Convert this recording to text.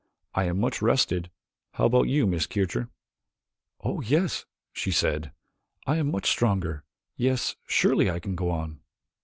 I am much rested. How about you Miss Kircher?" "Oh, yes," she said, "I am much stronger. Yes, surely I can go on."